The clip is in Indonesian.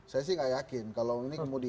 saya sih nggak yakin kalau ini kemudian